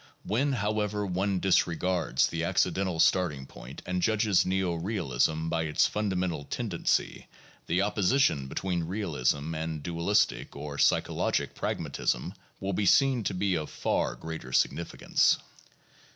When, how ever, one disregards the accidental starting point and judges neo realism by its fundamental tendency, the opposition between realism and dualistic or psychologic pragmatism will be seen to be of far greater significance.